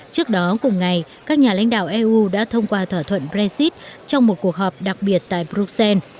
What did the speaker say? trước đó cùng ngày các nhà lãnh đạo eu đã thông qua thỏa thuận brexit trong một cuộc họp đặc biệt tại bruxelles